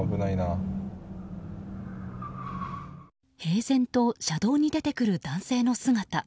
平然と車道に出てくる男性の姿。